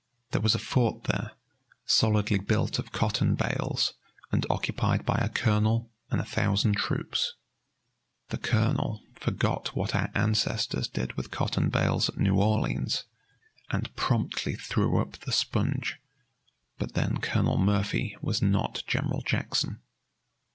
There was a fort there, solidly built of cotton bales and occupied by a colonel and a thousand troops. The colonel forgot what our ancestors did with cotton bales at New Orleans, and promptly threw up the sponge. But then Colonel Murphy was not General Jackson.